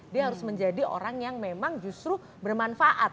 dia harus menjadi orang yang memang justru bermanfaat